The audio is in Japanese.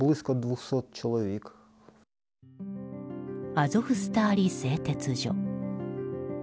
アゾフスターリ製鉄所。